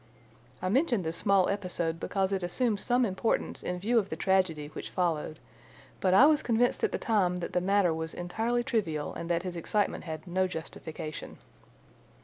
I mention this small episode because it assumes some importance in view of the tragedy which followed, but I was convinced at the time that the matter was entirely trivial and that his excitement had no justification.